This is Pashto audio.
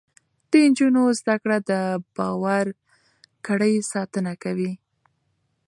د نجونو زده کړه د باور کړۍ ساتنه کوي.